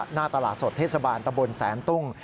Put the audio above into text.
หน้าตลาดสดเทศบาลตะบนแสนตุ้ง